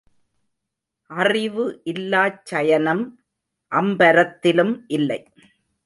அறிவு இல்லாச் சயனம் அம்பரத்திலும் இல்லை.